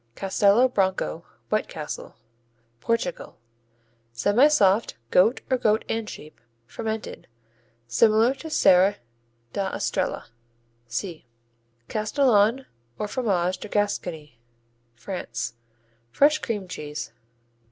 Castelo Branco, White Castle Portugal Semisoft; goat or goat and sheep; fermented. Similar to Serra da Estrella (see). Castillon, or Fromage de Gascony France Fresh cream cheese.